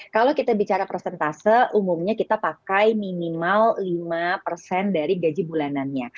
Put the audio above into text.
kalau kita bicara persentase umumnya kita pakai minimal lima persen dari gaji bulanannya